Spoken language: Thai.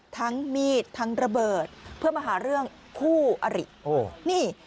ทั้งมีดทั้งระเบิดเพื่อมาหาเรื่องคู่อริโอ้นี่